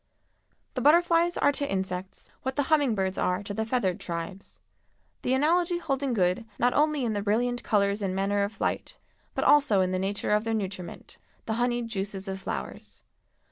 The butterflies are to insects what the humming birds are to the feathered tribes, the analogy holding good not only in the brilliant colors and manner of flight, but also in the nature of their nutriment—the honeyed juices of flowers.